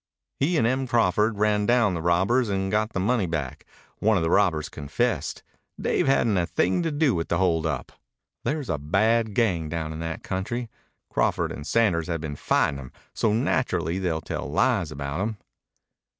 "He and Em Crawford ran down the robbers and got the money back. One of the robbers confessed. Dave hadn't a thing to do with the hold up. There's a bad gang down in that country. Crawford and Sanders have been fightin' 'em, so naturally they tell lies about 'em."